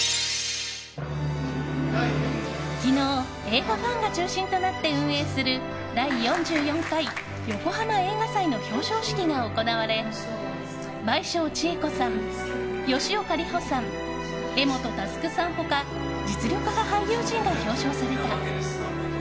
昨日、映画ファンが中心となって運営する第４４回ヨコハマ映画祭の表彰式が行われ倍賞千恵子さん、吉岡里帆さん柄本佑さん他実力派俳優陣が表彰された。